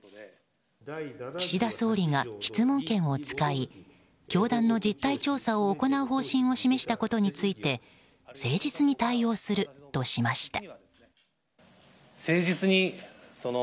岸田総理が質問権を使い教団の実態調査を行う方針を示したことについて誠実に対応するとしました。